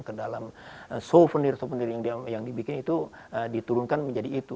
ke dalam souvenir souvenir yang dibikin itu diturunkan menjadi itu